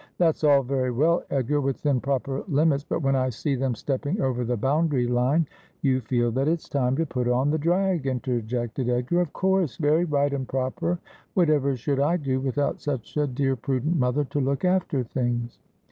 ' That's all very well, Edgar, within proper limits ; but when I see them stepping over the boundary line ' 'You feel that it's time to put on the drag,' interjected Edgar. ' Of course ; very right and proper. Whatever should I do without such a dear prudent mother to look after things